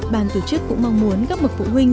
bàn tổ chức cũng mong muốn các bậc phụ huynh